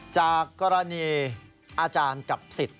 จากกรณีอาจารย์กับสิทธิ์